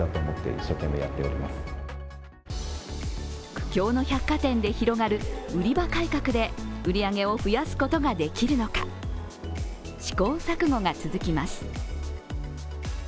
苦境の百貨店で広がる売り場改革で売り上げを増やすことができるのか、試行錯誤が続きます。